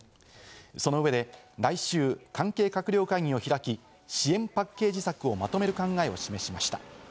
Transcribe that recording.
その上で来週、関係閣僚会議を開き、支援パッケージ策をまとめる考えを示しました。